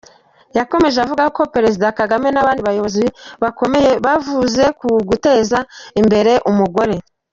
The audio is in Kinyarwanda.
Yakomeje avuga ko Perezida Kagame n’abandi bayobozi bakomeye bavuze ku guteza imbere umugore.